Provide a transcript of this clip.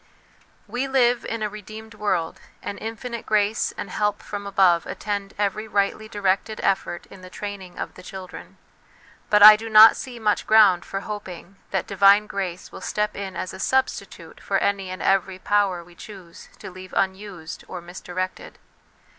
We live in a redeemed world, and infinite grace and help from above attend every rightly directed effort in the training of the children ; but I do not see much ground for hoping that divine grace will step in as a substitute for any and every power we choose to leave unused or misdirected.